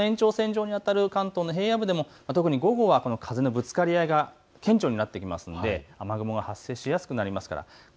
関東平野部でも風のぶつかり合いが顕著になってきますので雨雲が発生しやすくなります。